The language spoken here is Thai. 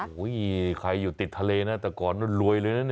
โอ้โหใครอยู่ติดทะเลน่าแต่ก่อนรวยเลยนะเนี่ย